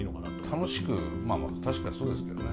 楽しくまあまあ確かにそうですけどね。